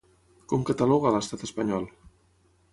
Com cataloga a l'estat espanyol?